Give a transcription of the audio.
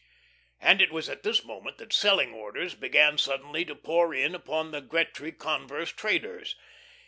And it was at this moment that selling orders began suddenly to pour in upon the Gretry Converse traders.